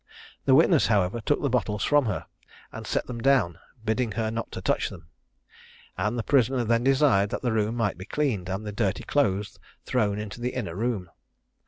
The witness, however, took the bottles from her, and set them down, bidding her not to touch them; and the prisoner then desired that the room might be cleaned, and the dirty clothes thrown into the inner room.